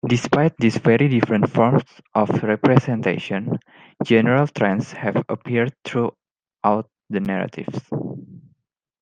Despite these very different forms of representation, general trends have appeared throughout the narratives.